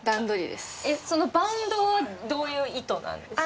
そのバウンドはどういう意図なんですか？